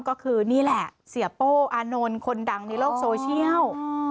ก็คือนี่แหละเสียโป้อานนท์คนดังในโลกโซเชียล